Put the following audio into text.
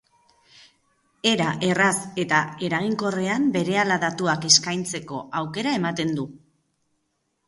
Era erraz eta eraginkorrean berehala datuak eskaintzeko aukera ematen du.